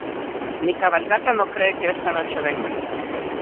ni cabalgata no cree que esta noche vengan